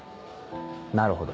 なるほど。